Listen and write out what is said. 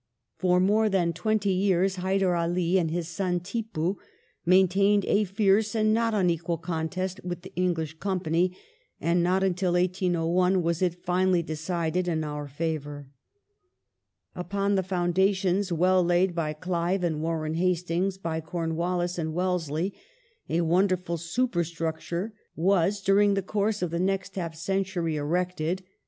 For more than twenty years Haidai* Ali and his son Tipu maintained a fierce and not unequal contest with the English 'V Company, and not until 1801 was it finally decided in our favour. Consoli Upon the foundations well laid by Clive and Warren Hastings, dationof \yy Cornwallis and Wellesley, a wonderful supei'structure was, India, during the course of the next half century, erected.